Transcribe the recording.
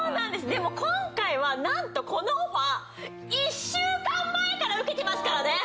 でも今回はなんとこのオファー１週間前から受けてますからね！